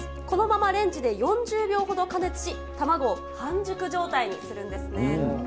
このままレンジで４０秒ほど加熱し、卵を半熟状態にするんですね。